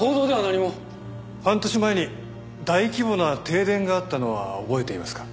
半年前に大規模な停電があったのは覚えていますか？